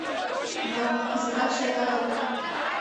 Мо, кызытат шолта докан.